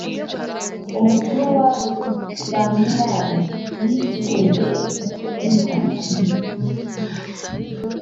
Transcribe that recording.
umukuru w’ abamerari ni suriyeli mwene abihayili